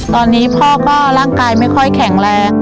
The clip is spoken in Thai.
ตอนนี้พ่อก็ร่างกายไม่ค่อยแข็งแรง